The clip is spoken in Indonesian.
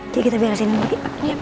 jadi kita biarkan sini lagi